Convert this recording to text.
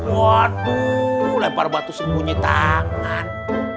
waduh lempar batu sembunyi tangan